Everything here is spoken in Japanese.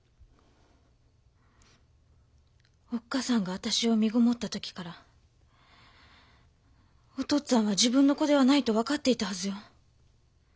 おっ母さんが私をみごもった時からお父っつぁんは自分の子ではないと分かっていたはずよ。